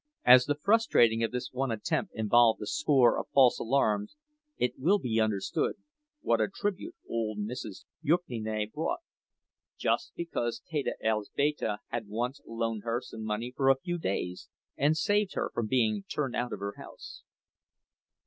As the frustrating of this one attempt involved a score of false alarms, it will be understood what a tribute old Mrs. Jukniene brought, just because Teta Elzbieta had once loaned her some money for a few days and saved her from being turned out of her house.